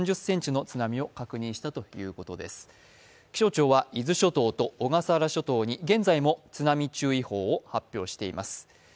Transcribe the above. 気象庁は、伊豆諸島と小笠原諸島に現在も津波注意報を発表しています。